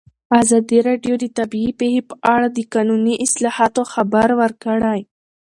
ازادي راډیو د طبیعي پېښې په اړه د قانوني اصلاحاتو خبر ورکړی.